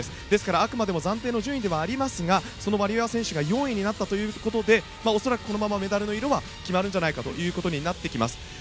ですから、あくまでも暫定の順位ではありますがそのワリエワ選手が４位になったということで恐らくこのままメダルの色は決まるんじゃないかということになってきます。